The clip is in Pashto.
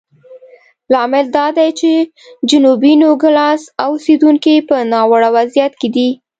لامل دا دی چې جنوبي نوګالس اوسېدونکي په ناوړه وضعیت کې دي.